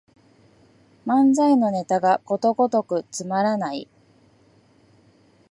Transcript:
漫才のネタがことごとくつまらない